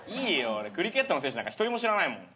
俺クリケットの選手なんか一人も知らないもん。